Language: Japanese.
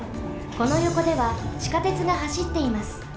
このよこではちかてつがはしっています。